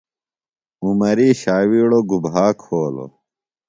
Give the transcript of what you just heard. عمری شاویڑو گُبھا کھولو؟